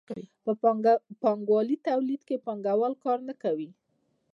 په پانګوالي تولید کې پانګوال کار نه کوي.